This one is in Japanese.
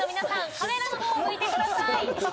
カメラの方を向いてください。